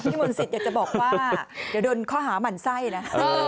พี่มนตร์สิทธิ์อยากจะบอกว่าเดี๋ยวโดนข้อหามันไส้นะ